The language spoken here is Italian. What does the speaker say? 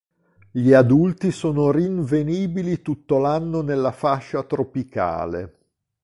Gli adulti sono rinvenibili tutto l'anno nella fascia tropicale.